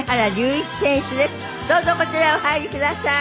どうぞこちらへお入りください。